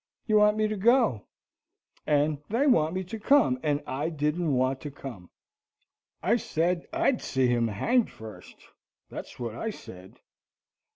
"You want me to go, and they want me to come, and I didn't want to come. I said, I'd see him hanged first, that's what I said.